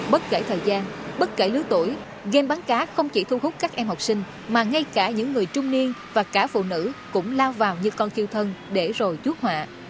bất kể thời gian bất kể lứa tuổi game bắn cá không chỉ thu hút các em học sinh mà ngay cả những người trung niên và cả phụ nữ cũng lao vào như con thiêu thân để rồi chuốt họa